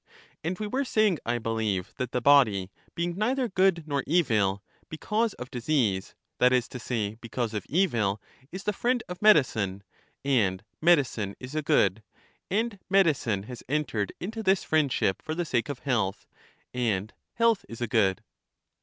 And we were saying, I believe, that the body being neither good nor evil, because of disease, that is to say because of evil, is the friend of medicine, and medicine is a good : and medicine has entered into this friendship for the sake of health, and health is a good.